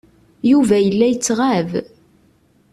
Yuba yella yettɣab.